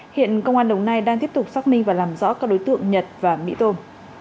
hiện công an đồng nai đang tiếp tục xác minh và làm rõ các đối tượng nhật và mỹ tôm